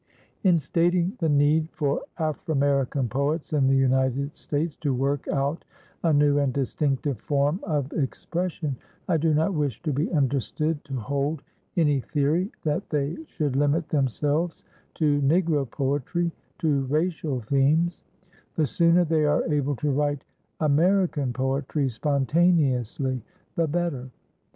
In stating the need for Aframerican poets in the United States to work out a new and distinctive form of expression I do not wish to be understood to hold any theory that they should limit themselves to Negro poetry, to racial themes; the sooner they are able to write American poetry spontaneously, the better.